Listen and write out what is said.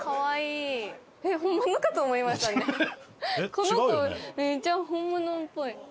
この子めっちゃ本物っぽい。